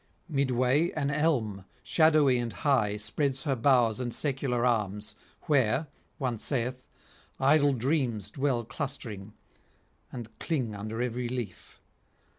Midway an elm, shadowy and high, spreads her boughs and secular arms, where, one saith, idle Dreams dwell clustering, and cling under every leaf.